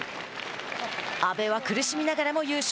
阿部は苦しみながらも優勝。